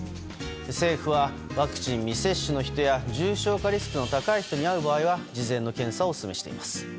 政府は、ワクチン未接種の人や重症化リスクの高い人に会う場合は事前の検査をオススメしています。